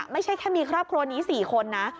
ไม่ใช่แค่มีครอบครัวนี้๔คนนะ